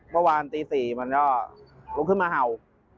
เมื่อวานตี๔มันก็ลุกขึ้นมาเห่า